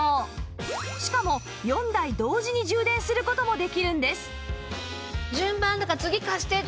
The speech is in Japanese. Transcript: しかも４台同時に充電する事もできるんです